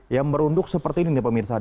yang merunduk seperti ini nih pemirsa